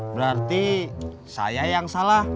berarti saya yang salah